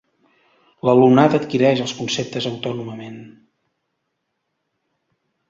L’alumnat adquireix els conceptes autònomament.